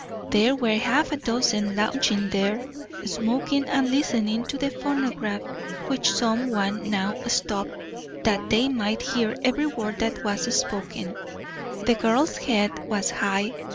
There were half a dozen lounging there, smoking and listening to the phonograph, which some one now stopped that they might hear every word that was spoken. The girl's head was high.